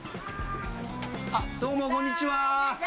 どうも、こんにちは。